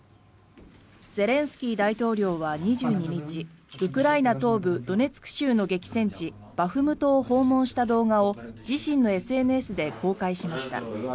ゼレンスキー大統領は２２日ウクライナ東部ドネツク州の激戦地バフムトを訪問した動画を自身のＳＮＳで公開しました。